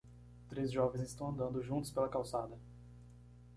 Três jovens estão andando juntos pela calçada.